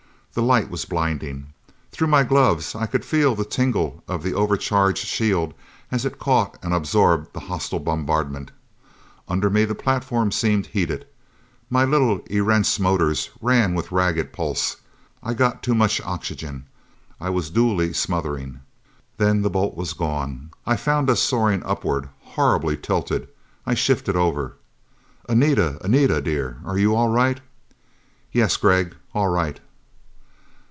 The light was blinding. Through my gloves I could feel the tingle of the over charged shield as it caught and absorbed the hostile bombardment. Under me the platform seemed heated. My little Erentz motors ran with ragged pulse. I got too much oxygen. I was dully smothering.... Then the bolt was gone. I found us soaring upward, horribly tilted. I shifted over. "Anita! Anita, dear, are you all right?" "Yes, Gregg. All right."